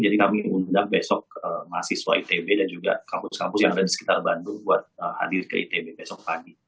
jadi kami undang undang besok mahasiswa itb dan juga kampus kampus yang ada di sekitar bandung buat hadir ke itb besok pagi